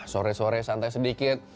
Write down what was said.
sore sore santai sedikit